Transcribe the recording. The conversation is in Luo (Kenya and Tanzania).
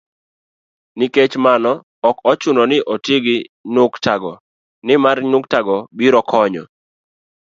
Nikech mano, ok ochuno ni oti gi nyuktago, nimar nyuktago biro konyo